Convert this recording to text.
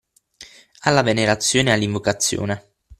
Alla venerazione e all'invocazione